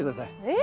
え？